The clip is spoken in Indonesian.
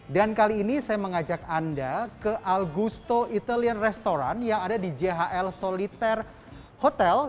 dan kali ini saya mengajak anda ke augusto italian restaurant yang ada di jhl solitaire hotel